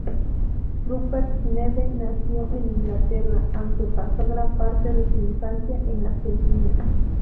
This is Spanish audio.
Rupert Neve nació en Inglaterra, aunque pasó gran parte de su infancia en Argentina.